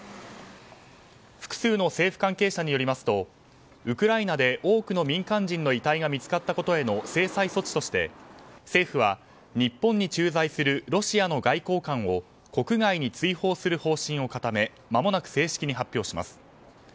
複数の政府関係者によりますとウクライナで多くの民間人の遺体が見つかったことへの制裁措置として政府は、日本に駐在するロシアの外交官を国外に追放する方針を固めまもなく正式に発表します。